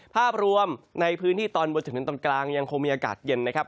ภาพรวมในพื้นที่ตอนบนจนถึงตอนกลางยังคงมีอากาศเย็นนะครับ